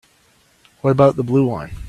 What about the blue one?